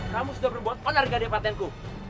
kamu sudah membuat penerga dapatanku